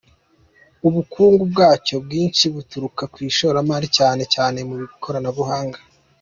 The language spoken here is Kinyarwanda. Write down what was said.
Ubukungu bwacyo bwinshi buturuka ku ishoramari, cyane cyane mu ikoranabuhanga.